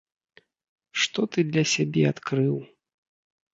Што ты для сябе адкрыў?